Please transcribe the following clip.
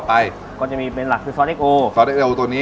อะไรบ้าง